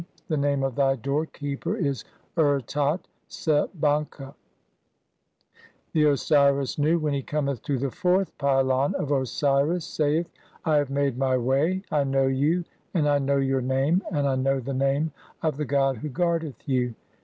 (34) The name of the doorkeeper is Khu tchet f." IX. (35) The Osiris Nu, when he cometh to the ninth pylon of Osiris, saith :— "I. have made [my] way. (36) I know you, and I know your "name, and I know the name of the god (37) who guardeth "you.